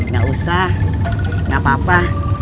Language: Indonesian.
gak usah gak apa apa